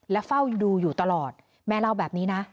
และเฝ้าดูอยู่ตลอดแม่เล่าแบบนี้นะ